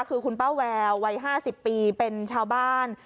คือคุณป้าแวววัย๕๐ปีเป็นชาวบ้าน